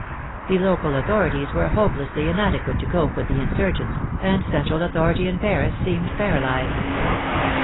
The local authorities were hopelessly inadequate to cope with the insurgents, and central authority in Paris seemed paralyzed.